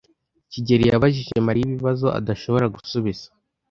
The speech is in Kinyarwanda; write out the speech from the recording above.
kigeli yabajije Mariya ibibazo adashobora gusubiza.